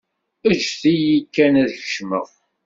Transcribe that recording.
Eǧǧet-iyi kan ad kecmeɣ.